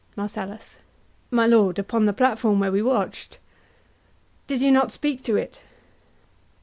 MARCELLUS. My lord, upon the platform where we watch. HAMLET. Did you not speak to it?